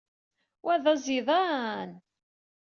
Wa d aẓidan.